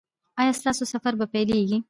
ایا ستاسو سفر به پیلیږي؟